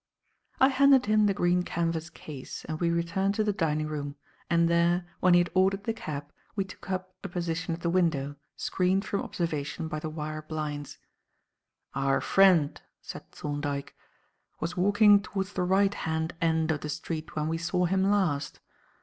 I handed him the green canvas case and we returned to the dining room and there, when he had ordered the cab, we took up a position at the window, screened from observation by the wire blinds. "Our friend," said Thorndyke, "was walking towards the right hand end of the street when we saw him last.